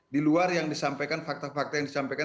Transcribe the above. di luar yang disampaikan fakta fakta yang disampaikan